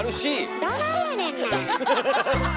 どないやねんな！